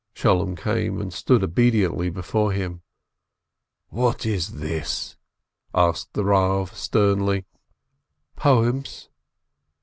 Sholem came and stood obediently before him. "What is this ?" asked the Eav, sternly. "Poems